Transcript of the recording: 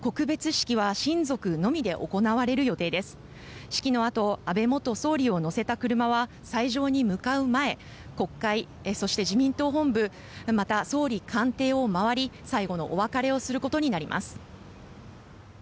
式のあと安倍元総理を乗せた車は斎場に向かう前国会、そして自民党本部また、総理官邸を回り最後のお別れをすることになります。